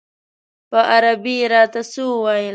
په عربي یې راته څه وویل.